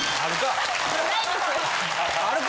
あるか！